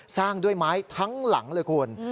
สร้างด้วยไม้ทั้งหลังเลยคุณ